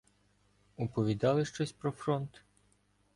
— Оповідали щось про фронт?